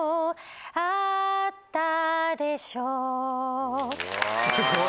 あったでしょうすごい！